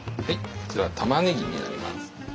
こちらはたまねぎになります。